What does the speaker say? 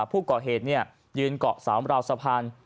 ผู้เกาะเหตุยืนเกาะสาวอำราวสะพาน